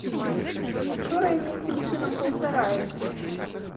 Гісторыя нейкім чынам паўтараецца.